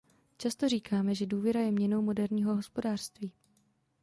Často říkáme, že důvěra je měnou moderního hospodářství.